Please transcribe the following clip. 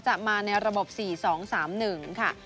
จะมาในระบบ๔๒๓๑ค่ะ